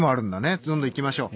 どんどんいきましょう。